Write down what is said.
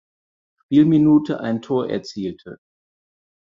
Spielminute ein Tor erzielte.